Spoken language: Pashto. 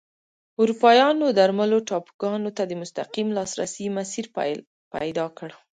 اروپایانو درملو ټاپوګانو ته د مستقیم لاسرسي مسیر پیدا کړ.